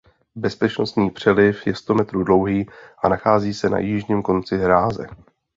Bezpečnostní přeliv je sto metrů dlouhý a nachází se na jižním konci hráze.